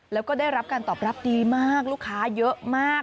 แล้วก็ได้รับการตอบรับดีมากลูกค้าเยอะมาก